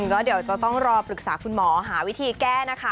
ก็เดี๋ยวจะต้องรอปรึกษาคุณหมอหาวิธีแก้นะคะ